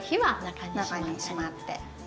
中にしまって。